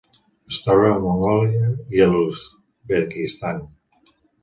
Es troba a Mongòlia i l'Uzbekistan.